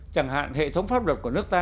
chẳng hạn hệ thống pháp luật của nước ta